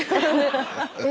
「え？」